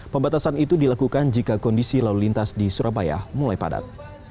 pembatasan itu dilakukan jika kondisi lalu lintas di surabaya mulai padat